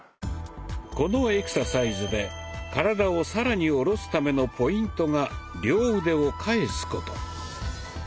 このエクササイズで体を更に下ろすためのポイントが両腕を返すこと。